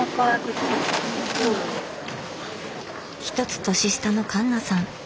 １つ年下の環奈さん